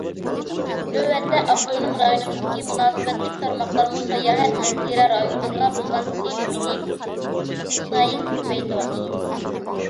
نۆۋەتتە، ئاپتونوم رايونىمىزدىكى مۇناسىۋەتلىك تارماقلارمۇ ساياھەت مەنزىرە رايونلىرىغا بولغان سېلىنمىنى كۈنسايىن كۆپەيتىۋاتىدۇ.